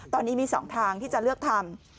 ตอนนี้มี๒ทางที่จะเลือกทำ